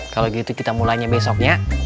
kalau gitu kita mulainya besoknya